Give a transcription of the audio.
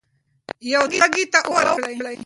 یو تږي ته اوبه ورکړئ.